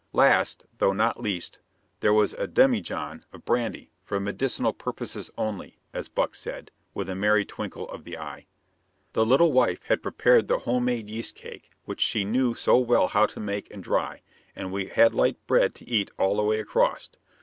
Last though not least, there was a demijohn of brandy "for medicinal purposes only," as Buck said, with a merry twinkle of the eye. The little wife had prepared the homemade yeast cake which she knew so well how to make and dry, and we had light bread to eat all the way across.